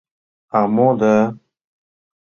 — А мо «да»?